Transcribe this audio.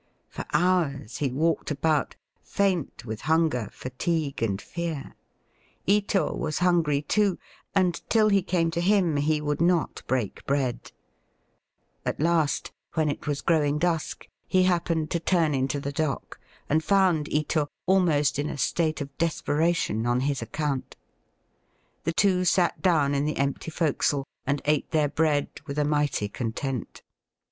For hours he walked about, faint with hunger, fatigue, and fear. Ito was hungry too, and till he came to him he would not break bread. At last, when it was growing Digitized by VjOOQIC A PERSONAL EPISODE IN HISTOBT. 29 dusk, he happened to turn into the dock, and found Ito almost in a state of desperation on his account. The two sat down in the empty fore castle, and ate their bread with a mighty con tent.